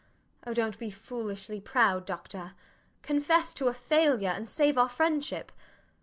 Oh, dont be foolishly proud, doctor. Confess to a failure, and save our friendship.